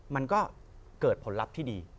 มันก็เกิดผลลัพธ์ที่ดี